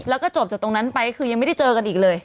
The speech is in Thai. แล้วก็จบจากตรงนั้นไปก็คือยังไม่ได้เจอกันอีกเลย